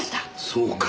そうか。